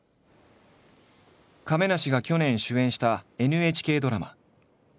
亀梨が去年主演したＮＨＫドラマ。